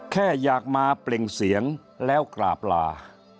แค่อยากมาเปล่งเสียงแล้วกราบลา